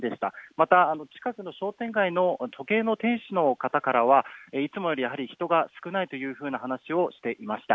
また、近くの商店街の時計の店主の方からはいつもより人が少ないという話をしていました。